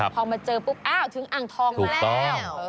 พอมาเจอปุ๊บอ้าวถึงอ่างทองมาแล้ว